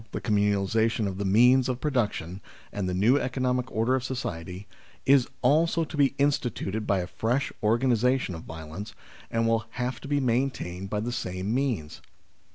the communalisation of the means of production, and the new economic order of society, is also to be instituted by a fresh organisation of violence, and will have to be maintained by the same means.